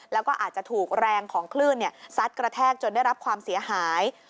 แล้วก็อาจจะถูกแรงของคลื่นซัดกระแทกจนได้รับความเสียหาย